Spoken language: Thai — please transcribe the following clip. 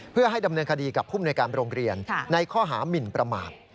เพื่อให้ดำเนินคดีกับผู้มนวยการโรงเรียนในข้อหามินประมาท